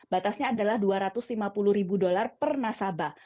batasnya adalah dua ratus lima puluh ribu dolar per nasabah